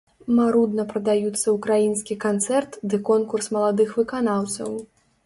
Марудна прадаюцца ўкраінскі канцэрт ды конкурс маладых выканаўцаў.